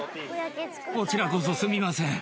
こちらこそすみません。